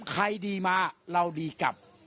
ใครดีมาเราดีกลับ